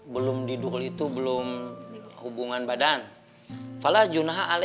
belum didukul itu belum hubungan badan